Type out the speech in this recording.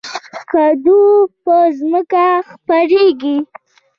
کدو په ځمکه خپریږي